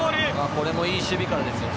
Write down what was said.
これもいい守備からですよね